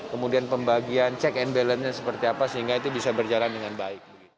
kemudian pembagian check and balance nya seperti apa sehingga itu bisa berjalan dengan baik